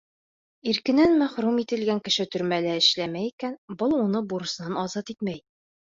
Иркенән мәхрүм ителгән кеше төрмәлә эшләмәй икән, был уны бурысынан азат итмәй.